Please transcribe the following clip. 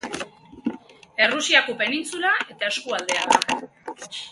Errusiako penintsula eta eskualdea da.